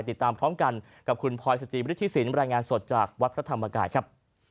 ติดตามพร้อมกันกับคุณพลอยสจิบริธิสินรายงานสดจากวัดพระธรรมกายครับ